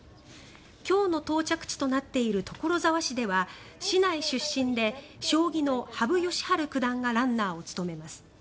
今日の到着地となっている所沢市では、市内出身で将棋の羽生善治九段がランナーを務めます。